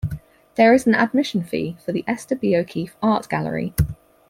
There is an admission fee for the Esther B. O'Keeffe Art Gallery.